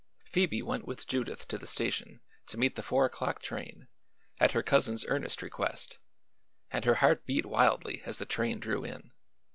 Phoebe went with Judith to the station to meet the four o'clock train, at her cousin's earnest request, and her heart beat wildly as the train drew in.